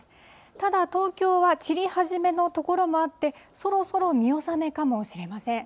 ただ、東京は散り始めの所もあって、そろそろ見納めかもしれません。